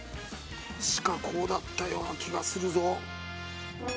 確かこうだったような気がするぞ。